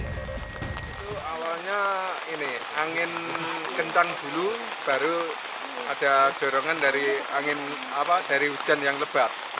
awalnya ini angin kentang dulu baru ada dorongan dari angin apa dari hujan yang lebat